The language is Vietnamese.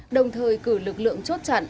đồng thời cử lực lượng chốt chặn